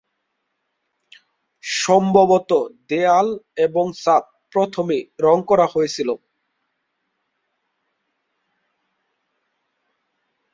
সম্ভবত দেয়াল এবং ছাদ প্রথমে রং করা হয়েছিল।